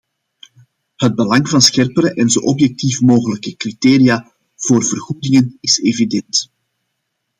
Het belang van scherpere en zo objectief mogelijke criteria voor vergoedingen is evident.